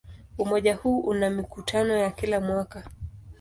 Umoja huu una mikutano ya kila mwaka.